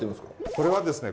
これはですね